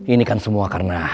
ini kan semua karena